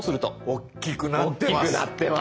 おっきくなってます